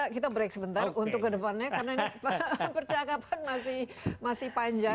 kita break sebentar untuk kedepannya karena percakapan masih panjang